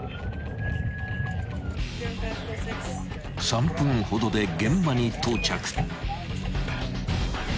［３分ほどで現場に到着］